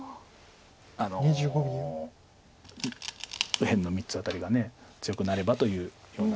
右辺の３つあたりが強くなればというような。